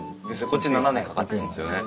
こっち７年かかってるんですよね。